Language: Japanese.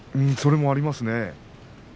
それもありますね。